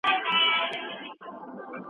آیا سپورت تر ناستي ګټور دی؟